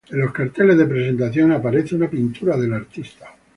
En los carteles de presentación aparece una pintura del artista.